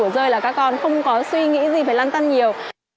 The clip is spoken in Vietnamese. những điều của rơi là các con không có suy nghĩ gì phải lăn tăn nhiều